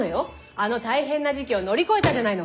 あの大変な時期を乗り越えたじゃないの！